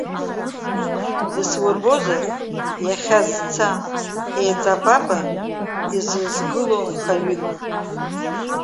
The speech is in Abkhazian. Дысурбозар, иахьа зца еиҵапапа изызгылоу нхаҩык.